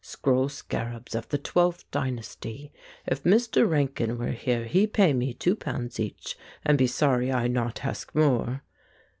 Scroll scarabs of the twelfth dynasty ; if Mr. Rankin were here he pay me two pounds each, and be sorry I not ask more."